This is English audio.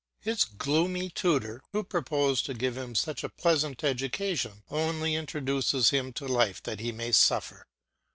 His gloomy tutor, who proposed to give him such a pleasant education, only introduces him to life that he may suffer.